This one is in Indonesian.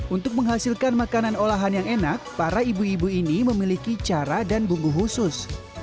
untuk menghasilkan makanan olahan yang enak para ibu ibu ini memiliki cara dan bumbu khusus